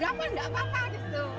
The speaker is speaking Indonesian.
berapa gak apa apa gitu